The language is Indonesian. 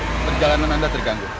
maaf perjalanan anda terganggu